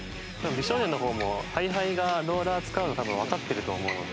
美少年の方もＨｉＨｉがローラー使うのを多分わかってると思うので。